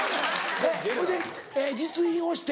ほいで実印を押して？